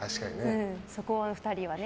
そこ２人はね。